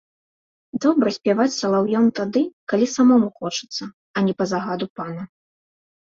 Добра спяваць салаўём тады, калі самому хочацца, а не па загаду пана.